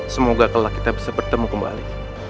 semoga kalau kita bisa bertemu kembali